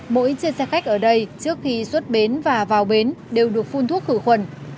mỗi trên xe khách ở đây trước khi xuất bến và vào bến đều được phun thuốc khử khuẩn